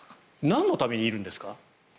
なんのためにいるんですか？